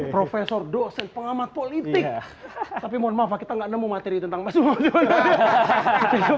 profesor dosen pengamat politik tapi mohon maaf kita nggak nemu materi tentang masuk